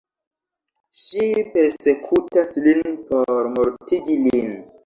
Ŝi persekutas lin por mortigi lin.